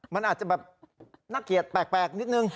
มันอาจจะแบบน่าเกลียดแปลกนิดนึง